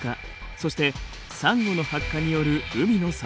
そしてサンゴの白化による海の砂漠化。